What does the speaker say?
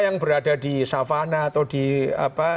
yang berada di savana atau